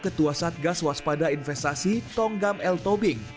ketua satgas waspada investasi tonggam l tobing